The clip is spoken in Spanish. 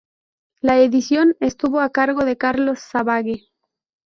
La edición estuvo a cargo de Carlos Savage.